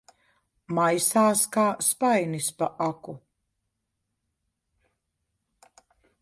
Maisās kā spainis pa aku.